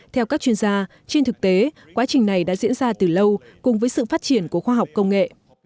theo các chuyên gia trên thực tế quá trình này đã diễn ra từ lâu cùng với sự phát triển của khoa học công nghệ